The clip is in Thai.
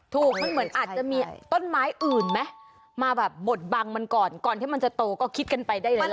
ถูกเหมือนอาจจะมีต้นไม้อื่นมาบดบังมันก่อนก่อนที่มันจะโตก็คิดกันไปได้หลายเกณฑ์